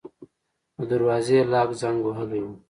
د دروازې لاک زنګ وهلی و.